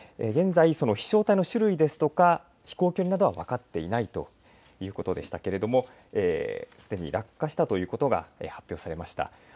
現在、飛しょう体の種類ですとか飛行距離などは分かっていないということでしたけれどもすでに落下したということが発表されました。